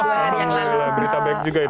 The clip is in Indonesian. alhamdulillah berita baik juga itu